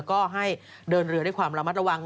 ก็ให้เดินเรือด้วยความระมัดระวัง